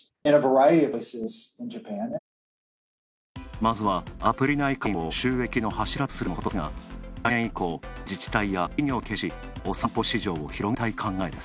まずはアプリ内課金を収益の柱とするとのことですが来年以降、自治体や企業と連携しお散歩市場を広げたい考えです。